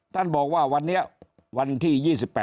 ท่านบอกว่าวันที่๒๘นี้